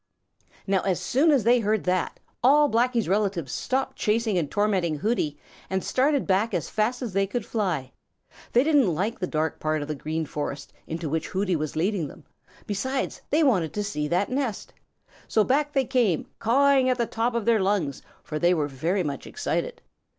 Caw, caw, caw, caw!" Now as soon as they heard that, all Blacky's relatives stopped chasing and tormenting Hooty and started back as fast as they could fly. They didn't like the dark part of the Green Forest into which Hooty was leading them. Besides, they wanted to see that nest. So back they came, cawing at the top of their lungs, for they were very much excited.